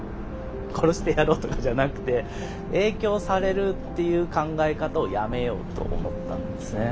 殺してやろうとかじゃなくて影響されるっていう考え方をやめようと思ったんですね。